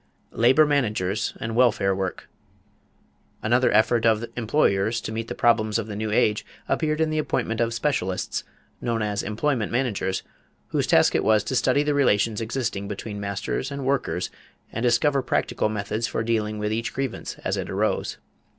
=Labor Managers and Welfare Work.= Another effort of employers to meet the problems of the new age appeared in the appointment of specialists, known as employment managers, whose task it was to study the relations existing between masters and workers and discover practical methods for dealing with each grievance as it arose.